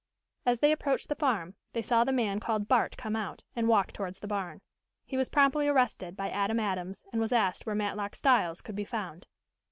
As they approached the farm they saw the man called Bart come out, and walk towards the barn. He was promptly arrested by Adam Adams and was asked where Matlock Styles could be found.